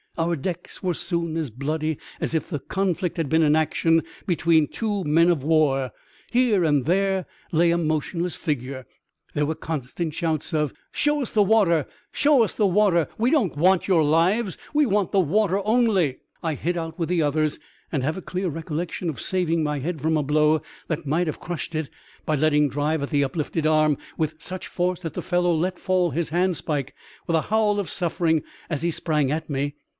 Our decks were soon as bloody as if the conflict had been an action between two men of war. Here and there lay a motionless figure. There were constant shouts of " Show jis the water ! Show us the water ! We don't want your lives ! We want the water only !" I hit out with the others, and have a clear recol lection of saving my head from a blow that might have crushed it, by letting drive at the uplifted arm with such force that the fellow let fall his handspike with a howl of suffering as he sprang at me.